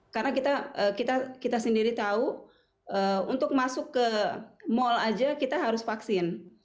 karena kita sendiri tahu untuk masuk ke mal saja kita harus vaksin